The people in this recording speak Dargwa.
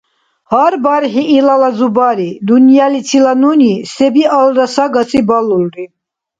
Гьар бархӀи илала зубари-дунъяличила нуни се-биалра сагаси балулри.